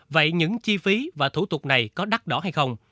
vậy những chi phí và thủ tục này có đắt đỏ hay không